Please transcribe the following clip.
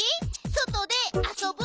そとであそぶ？